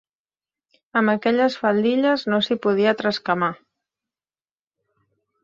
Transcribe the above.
Amb aquelles faldilles, no s'hi podia trascamar.